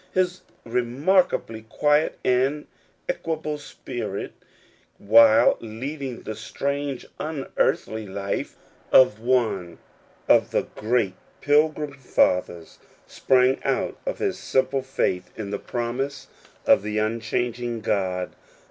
His remarkably quiet and equable spirit, while leading the strange unearthly life of one of the great pilgrim fathers, sprang out of his simple faith in the promise of the Differing Hopes. 23 unchanging God.